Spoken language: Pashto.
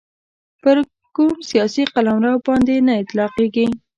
پر کوم سیاسي قلمرو باندي نه اطلاقیږي.